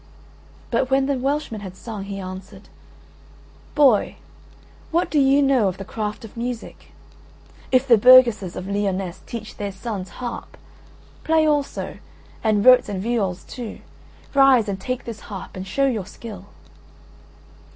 But when the Welshman had sung, he answered: "Boy, what do you know of the craft of music? If the burgesses of Lyonesse teach their sons harp—play also, and rotes and viols too, rise, and take this harp and show your skill."